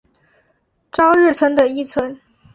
朝日村的一村。